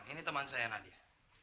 ini teman saya nadia